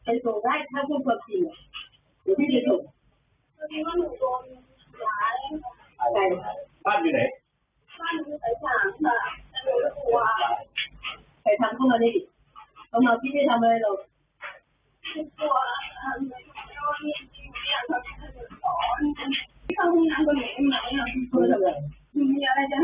เอามาพี่จะทำอะไรหรอก